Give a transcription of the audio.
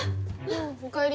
おかえり。